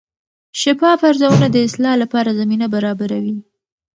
شفاف ارزونه د اصلاح لپاره زمینه برابروي.